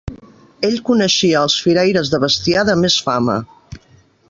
Ell coneixia els firaires de bestiar de més fama.